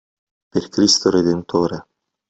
Per Cristo redentore